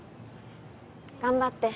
「頑張って」